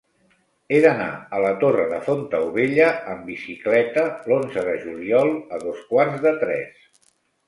He d'anar a la Torre de Fontaubella amb bicicleta l'onze de juliol a dos quarts de tres.